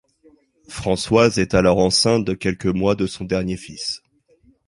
Françoise est alors enceinte de quelques mois de son dernier fils.